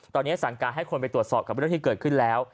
ตอนนี้สั่งการให้คนไปตรวจสอบกับเรื่องที่เกิดขึ้นแล้ว